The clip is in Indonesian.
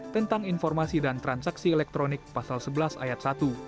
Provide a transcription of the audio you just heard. tentang informasi dan transaksi elektronik pasal sebelas ayat satu